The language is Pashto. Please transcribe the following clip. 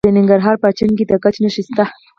د ننګرهار په اچین کې د ګچ نښې شته.